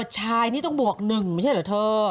ชายนี่ต้องบวก๑ไม่ใช่เหรอเธอ